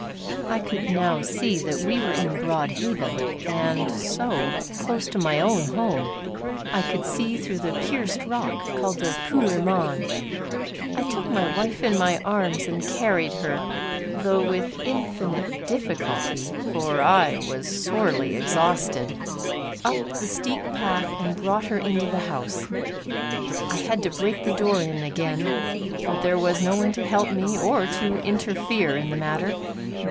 I could now see that we were in Broad Haven and, so, close to my own home. I could see through the pierced rock called the "Puir Mon." I took my wife in my arms and carried her, though with infinite difficulty for I was sorely exhausted, up the steep path, and brought her into the house. I had to break the door in again, but there was no one to help me or to interfere in the matter.